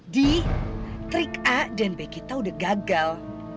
di trik a dan b kita udah gagal